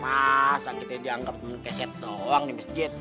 masa kita dianggap keset doang di masjid